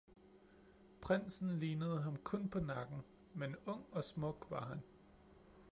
Prinsen lignede ham kun på nakken, men ung og smuk var han